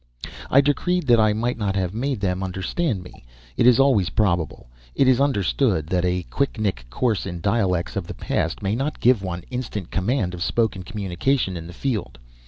I decreed that I might not have made them understand me it is always probable, it is understood, that a quicknik course in dialects of the past may not give one instant command of spoken communication in the field.